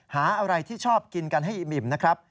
หาอะไรที่ชอบกินกันให้อิ่มนะครับ